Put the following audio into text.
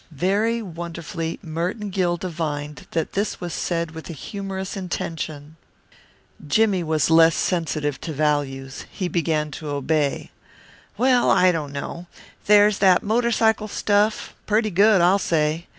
Very wonderfully Merton Gill divined that this was said with a humorous intention. Jimmy was less sensitive to values. He began to obey. "Well, I dunno there's that motorcycle stuff. Purty good, I'll say.